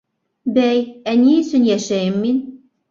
Бәй, ә ни өсөн йәшәйем мин?